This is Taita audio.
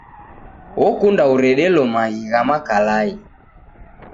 Okunda uredelo maghi gha makalai.